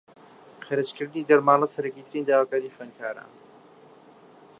خەرجکردنی دەرماڵە سەرەکیترین داواکاریی خوێندکارانە